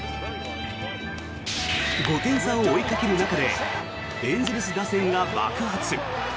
５点差を追いかける中でエンゼルス打線が爆発。